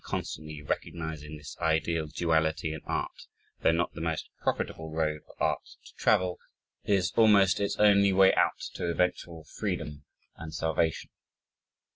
constantly recognizing this ideal duality in art, though not the most profitable road for art to travel, is almost its only way out to eventual freedom and salvation.